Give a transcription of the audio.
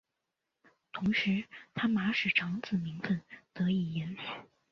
同时他玛使长子名份得以延续。